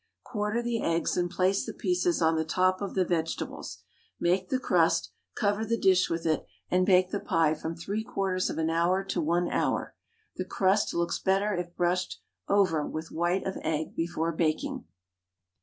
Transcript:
Quarter the eggs and place the pieces on the top of the vegetables. Make the crust, cover the dish with it, and bake the pie from 3/4 of an hour to 1 hour. The crust looks better if brushed over with white of egg before baking.